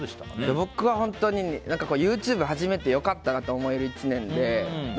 僕は本当にＹｏｕＴｕｂｅ始めて良かったなと思える１年で。